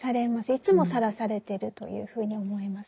いつもさらされてるというふうに思います。